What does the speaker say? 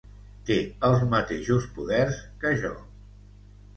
Té els mateixos poders que jo.